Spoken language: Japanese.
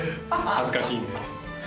恥ずかしいんで。